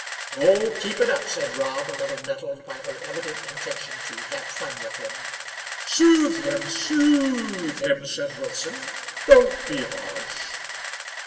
"Oh, keep it up!" said Rob, a little nettled by their evident intention to have fun with him. "Soothe him soo o o o the him!" said Wilson. "Don't be harsh."